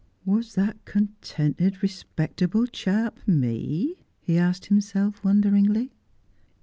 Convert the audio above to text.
' Was that contented, respectable chap me ?' he asked himself wonderingly.